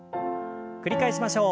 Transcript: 繰り返しましょう。